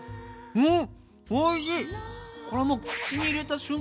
うん。